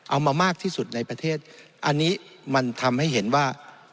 มากที่สุดในประเทศอันนี้มันทำให้เห็นว่า